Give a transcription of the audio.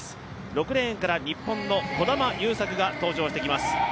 ６レーンから日本の児玉悠作が登場してきます。